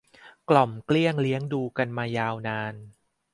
กล่อมเกลี้ยงเลี้ยงดูกันมายาวนาน